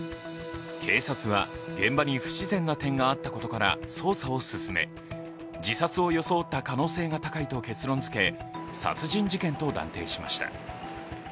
警察は現場に不自然な点があったことから捜査を進め自殺を装った可能性が高いと結論づけ殺人事件と断定しました。